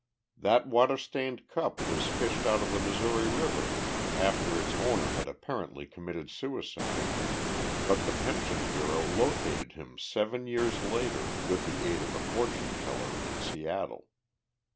That water stained cap was fished out of the Missouri after its owner had apparently committed suicide but the Pension Bureau located him seven years later, with the aid of a fortune teller in Seattle.